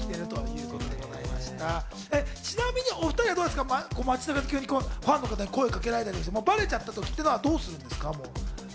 ちなみにお２人は街中でファンの方に声をかけたりとか、バレちゃった時どうするんですか？